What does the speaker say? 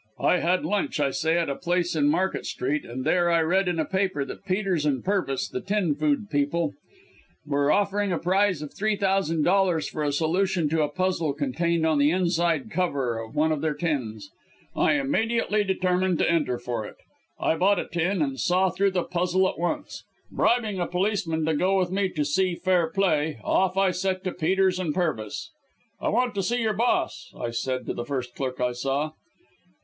"I had lunch, I say, at a place in Market Street, and there I read in a paper that Peters & Pervis, the tin food people, were offering a prize of three thousand dollars for a solution to a puzzle contained on the inside cover of one of their tins. I immediately determined to enter for it. I bought a tin and saw through the puzzle at once. Bribing a policeman to go with me to see fair play, off I set to Peters & Pervis'. "'I want to see your boss,' I said to the first clerk I saw.